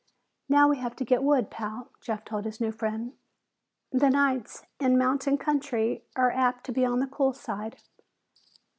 "Now we have to get wood, Pal," Jeff told his new friend. "The nights in mountain country are apt to be on the cool side."